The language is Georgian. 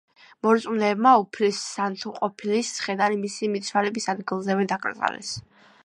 მორწმუნეებმა უფლის სათნომყოფლის ცხედარი მისი მიცვალების ადგილზევე დაკრძალეს.